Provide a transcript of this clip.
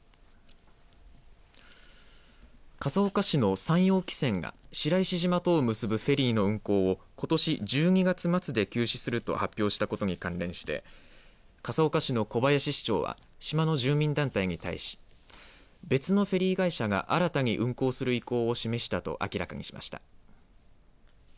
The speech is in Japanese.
笠岡市の三洋汽船が白石島とを結ぶフェリーの運航をことし１２月末で休止すると発表したことに関連して笠岡市の小林市長は島の住民団体に対し別のフェリー会社が新たに運航する意向を示したと明らかにしました。